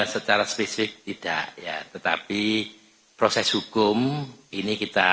secara spesifik tidak ya tetapi proses hukum ini kita